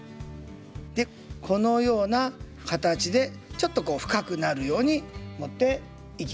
このような形でちょっと深くなるようにもっていきます。